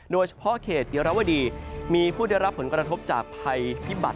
โดยเฉพาะเขตเยอรวดีมีผู้ได้รับผลกระทบจากภัยพิบัติ